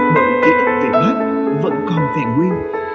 bộ kế tập về bác vẫn còn vẹn nguyên